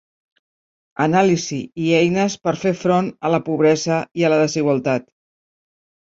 Anàlisi i eines per fer front a la pobresa i la desigualtat.